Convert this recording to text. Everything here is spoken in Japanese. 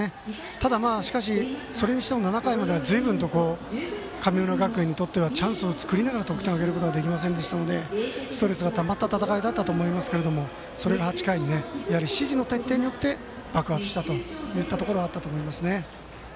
ただ、しかしそれにしても７回まではずいぶんと神村学園にとってはチャンスを作りながら得点を挙げることができませんでしたのでストレスがたまった戦いだったと思いますけれどそれが８回でやはり指示の徹底によって爆発したところあったと思います。